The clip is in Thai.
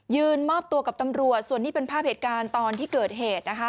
มอบตัวกับตำรวจส่วนนี้เป็นภาพเหตุการณ์ตอนที่เกิดเหตุนะคะ